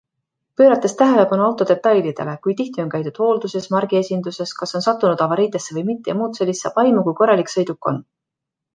Pöörates tähelepanu auto detailidele - kui tihti on käidud hoolduses, margiesinduses, kas on sattunud avariidesse või mitte jms, saab aimu, kui korralik sõiduk on.